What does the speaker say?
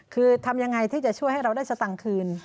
คือทำยังไงที่จะช่วยให้เราได้สตังค์คืน